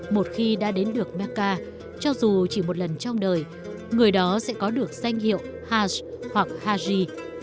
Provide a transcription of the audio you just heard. một khi đã đến được meca cho dù chỉ một lần trong đời người đó sẽ có được danh hiệu hash hoặc haji